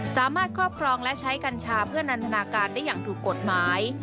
ครอบครองและใช้กัญชาเพื่อนันทนาการได้อย่างถูกกฎหมาย